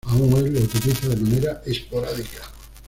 Aún hoy lo utiliza de manera esporádica.